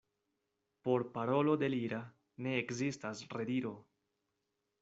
Por parolo delira ne ekzistas rediro.